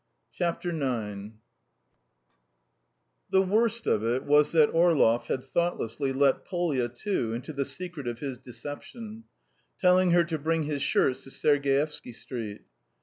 IX[edit] The worst of it was that Orlov had thoughtlessly let Polya, too, into the secret of his deception, telling her to bring his shirts to Sergievsky Street.